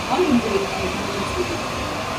All the lyrics are written in Swedish.